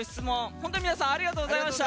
本当に皆さんありがとうございました。